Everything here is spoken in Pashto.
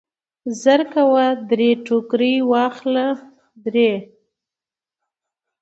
زرکوه درې ټوکرۍ واخله درې.